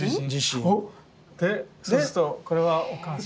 でそうするとこれはお母さん。